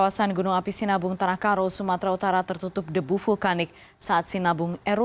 agus supratman karo